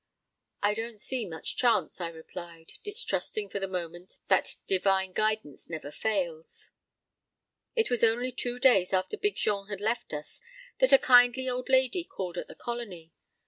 "I don't see much chance," I replied, distrusting for the moment that Divine Guidance that never fails. It was only two days after Big Jean had left us that a kindly old lady called at the Colony.